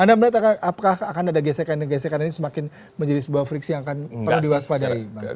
anda melihat apakah akan ada gesekan gesekan ini semakin menjadi sebuah friksi yang akan perlu diwaspadai